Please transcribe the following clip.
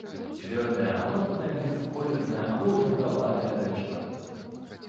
Цвёрдае аморфнае бясколернае або жаўтаватае рэчыва.